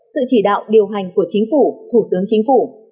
sự chỉ đạo điều hành của chính phủ thủ tướng chính phủ